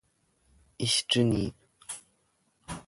Ich genie